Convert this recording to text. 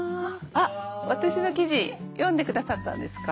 私の記事読んで下さったんですか？